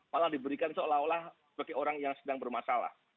malah diberikan seolah olah bagi orang yang sedang bermasalah